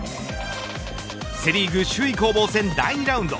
セ・リーグ首位攻防戦第２ラウンド。